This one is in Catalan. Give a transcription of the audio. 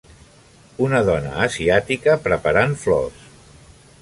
Una dona asiàtica preparant flors.